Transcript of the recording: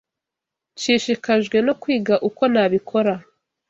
Nshishikajwe no kwiga uko nabikora.